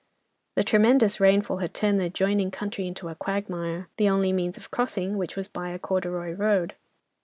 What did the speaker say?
The tremendous rainfall had turned the adjoining country into a quagmire, the only means of crossing which was by a corduroy road.